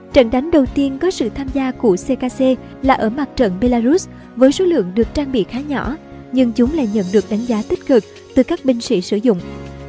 trận đánh đầu tiên có sự tham gia của ckc là ở mặt trận belarus với số lượng được trang bị khá nhỏ nhưng chúng lại nhận được đánh giá tích cực từ các binh sĩ sử dụng